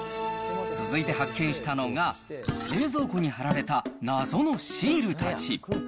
続いて発見したのが、冷蔵庫に貼られた謎のシールたち。